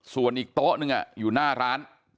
ส่วนอีกโต๊ะหนึ่งอยู่หน้าร้าน